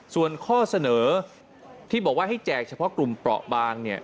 ส่วนข้อเสนอที่บอกว่าให้แจกเฉพาะกลุ่มเปราะบางเนี่ย